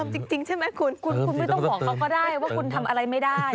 จริงใช่ไหมคุณคุณไม่ต้องบอกเขาก็ได้ว่าคุณทำอะไรไม่ได้